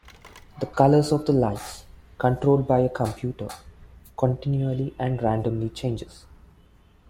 The colour of the lights, controlled by a computer, continually and randomly changes.